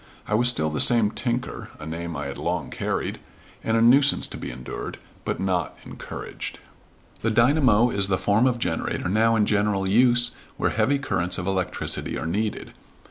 I was still the same "tinker" (a name I had long carried), and a nuisance to be endured but not encouraged. The dynamo is the form of generator now in general use where heavy currents of electricity are needed.